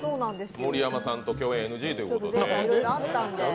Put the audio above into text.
盛山さんととＮＧということで。